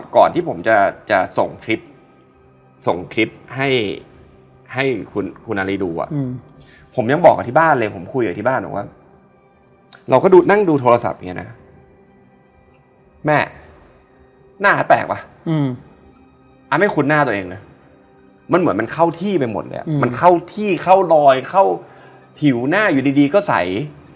กินได้มั่นใจมากกินก็กินได้อะไรอย่างเงี้ยมันว่างอยู่ตรงนี้กินได้